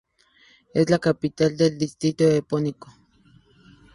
Es la capital del distrito epónimo.